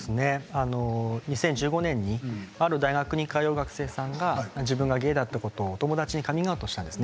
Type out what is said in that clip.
２０１５年にある大学に通う学生さんが自分がゲイだということを友達にカミングアウトしたんです。